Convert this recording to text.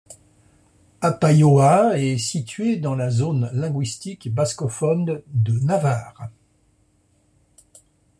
Apaioa est situé dans la zone linguistique bascophone de Navarre.